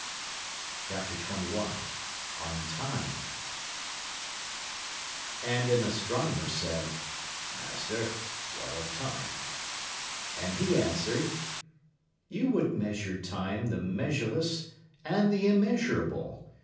And an astronomer said, Master, what of Time? And he answered: You would measure time the measureless and the immeasurable.